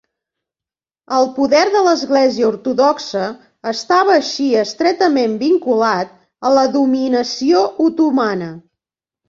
El poder de l'Església Ortodoxa estava així estretament vinculat a la dominació otomana.